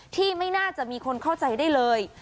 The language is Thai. ที่ไม่น่าจะมีคนเข้าใจได้เลย